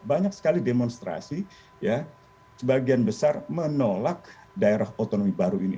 banyak sekali demonstrasi ya sebagian besar menolak daerah otonomi baru ini